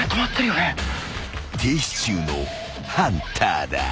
［停止中のハンターだ］